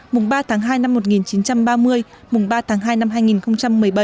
mùng ba tháng hai năm một nghìn chín trăm ba mươi mùng ba tháng hai năm hai nghìn một mươi bảy